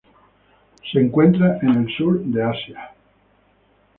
Se encuentra en el Sur de Asia.